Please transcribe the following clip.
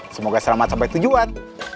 semoga selamat sampai tujuan